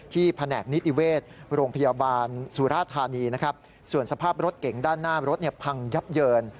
แผนกนิติเวชโรงพยาบาลสุราธานีนะครับส่วนสภาพรถเก๋งด้านหน้ารถเนี่ยพังยับเยิน